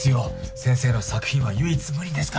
先生の作品は唯一無二ですから。